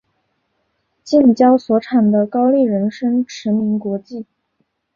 近郊所产的高丽人参驰名国际。